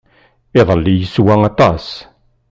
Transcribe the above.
Iḍelli yeswa aṭas.